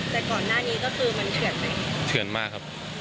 แต่ก่อนหน้านี้ก็คือเชื่อนมากครับ